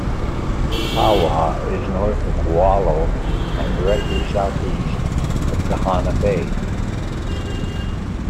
Kaaawa is north of Kualoa and directly southeast of Kahana Bay.